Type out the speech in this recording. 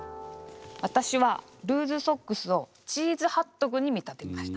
私はルーズソックスをチーズハットグに見立てました。